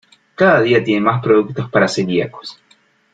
Cada día tienen más productos para celíacos.